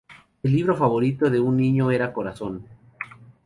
Su libro favorito de niño era "Corazón.